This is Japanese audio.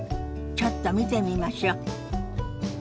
ちょっと見てみましょ。